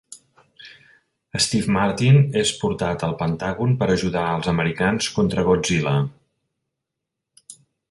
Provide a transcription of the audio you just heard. Steve Martin és portat al Pentàgon per ajudar als americans contra Godzilla.